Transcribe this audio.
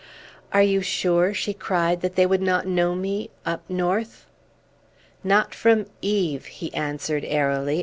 "Are you sure," she cried, "that they would not know me up north?" "Not from Eve," he answered airily.